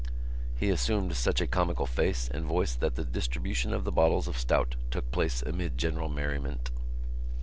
He assumed such a comical face and voice that the distribution of the bottles of stout took place amid general merriment.